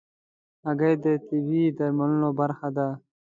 هګۍ د طبيعي درملو برخه ده.